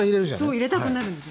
そう入れたくなるんです。